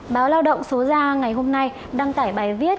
báo lao động số ra ngày hôm nay đăng tải bài viết